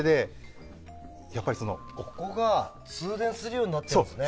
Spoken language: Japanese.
ここが通電するようになってるんですね！